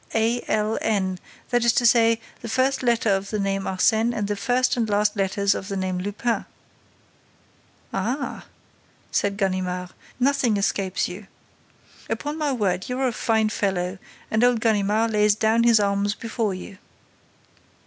'A. L. N.,' that is to say, the first letter of the name Arsène and the first and last letters of the name Lupin." "Ah," said Ganimard, "nothing escapes you! Upon my word, you're a fine fellow and old Ganimard lays down his arms before you!"